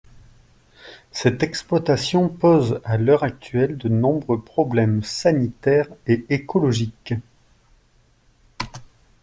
Cette exploitation pose à l'heure actuelle de nombreux problèmes sanitaires et écologiques.